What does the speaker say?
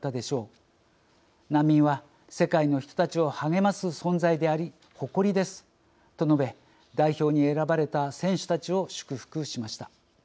難民は世界の人たちを励ます存在であり誇りです」と述べ代表に選ばれた選手たちを祝福しました。